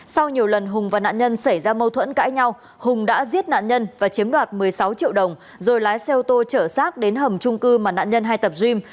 sau nhiều lần hùng và nạn nhân xảy ra mâu thuẫn cãi nhau hùng đã giết nạn nhân và chiếm đoạt một mươi sáu triệu đồng rồi lái xe ô tô trở sát đến hầm trung cư mà nạn nhân hay tập gym